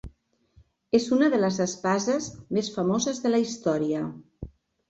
És una de les espases més famoses de la història.